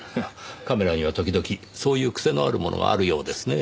カメラには時々そういう癖のあるものがあるようですねぇ。